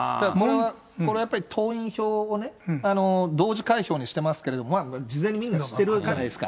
これはやっぱり党員票をね、同時開票にしてますけれども、事前にみんな知ってるじゃないですか。